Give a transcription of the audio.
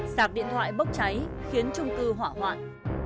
sạc điện thoại bốc cháy khiến trung cư hỏa hoạn